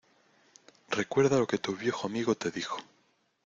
Recuerda lo que tu viejo amigo te dijo